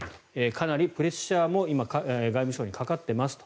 かなりプレッシャーも今、外務省にかかってますと。